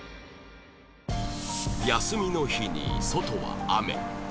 休みの日に外は雨